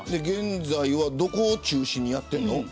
現在はどこを中心にしてるの。